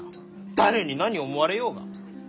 誰に何を思われようが！